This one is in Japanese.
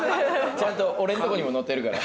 ちゃんと俺んとこにものってるから。